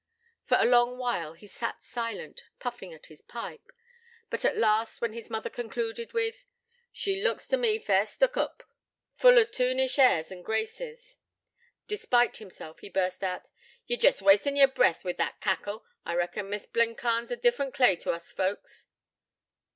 For a long while he sat silent, puffing at his pipe; but at last, when his mother concluded with, 'She looks t' me fair stuck oop, full o' toonish airs an' graces,' despite himself, he burst out: 'Ye're jest wastin' yer breath wi' that cackle. I reckon Miss Blencarn's o' a different clay to us folks.'